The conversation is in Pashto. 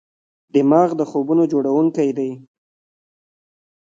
دماغ د خوبونو جوړونکی دی.